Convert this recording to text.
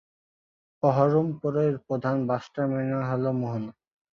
বহরমপুর এর প্রধান bus terminus টি হল "মোহনা"।